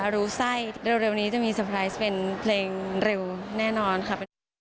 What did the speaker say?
รู้ไส้เร็วนี้จะมีเซอร์ไพรส์เป็นเพลงเร็วแน่นอนค่ะ